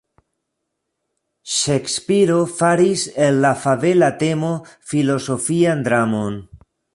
Ŝekspiro faris el la fabela temo filozofian dramon.